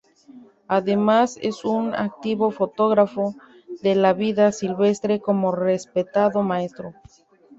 Además es un activo fotógrafo de la vida silvestre, como respetado maestro.